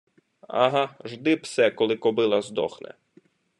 ага жди, псе, коли кобила здохне